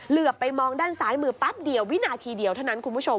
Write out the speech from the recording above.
เหลือไปมองด้านซ้ายมือแป๊บเดียววินาทีเดียวเท่านั้นคุณผู้ชม